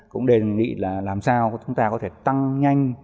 cũng đề nghị là làm sao chúng ta có thể tăng nhanh